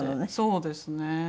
そうですね。